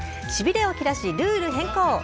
しびれを切らし、ルール変更。